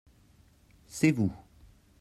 c'est vous.